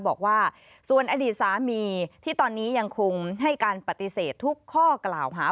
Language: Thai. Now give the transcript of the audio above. บอกว่าส่วนอดีตสามีที่ตอนนี้ยังคงให้การปฏิเสธทุกข้อกล่าวหา